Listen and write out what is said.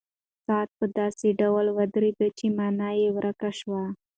ساعت په داسې ډول ودرېد چې مانا یې ورکه شوه.